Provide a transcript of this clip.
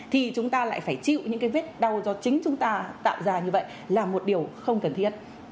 thì chúng ta lại phải chịu những cái vết đau do chính chúng ta tạo ra như vậy là một điều không cần thiết